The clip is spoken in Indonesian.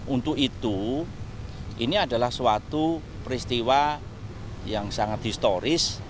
untuk itu ini adalah suatu peristiwa yang sangat historis